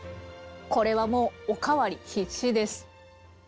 これはもうお代わり必至です。